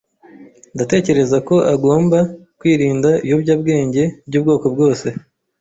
Ndatekereza ko agomba kwirinda ibiyobyabwenge by'ubwoko bwose.